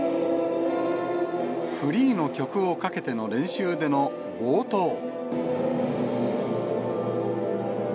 フリーの曲をかけての練習での冒頭。